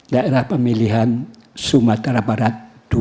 daerah pemilihan sumatera barat dua